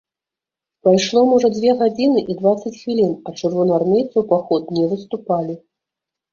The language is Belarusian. Прайшло, можа, дзве гадзіны і дваццаць хвілін, а чырвонаармейцы ў паход не выступалі.